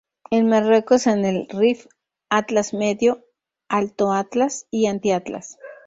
En Marruecos en el Rif, Atlas Medio, Alto Atlas y Anti-Atlas.